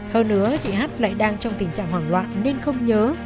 hơn nữa chị h lại đang trong tình trạng hoảng loạn nên không nhớ